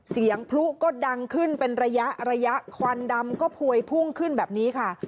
พลุก็ดังขึ้นเป็นระยะระยะควันดำก็พวยพุ่งขึ้นแบบนี้ค่ะ